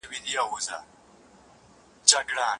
افغانستان څه ډول د ابوظبي له لارې نړیوالې اړیکي ساتي؟